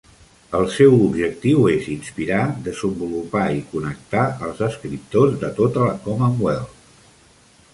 El seu objectiu és inspirar, desenvolupar i connectar els escriptors de tota la Commonwealth.